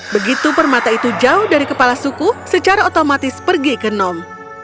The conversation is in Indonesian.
begitu permata itu jauh dari kepala suku secara otomatis pergi ke nom